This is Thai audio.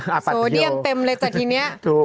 แฮ้อะแหล้งเฮ้แฮโซเดียมเต็มเลยจากทีนี้